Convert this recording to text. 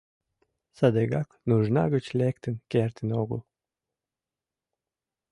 Садыгак нужна гыч лектын кертын огыл.